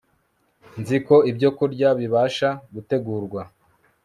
Nziko ibyokurya bibasha gutegurwa